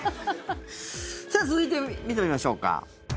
続いて見てみましょうか。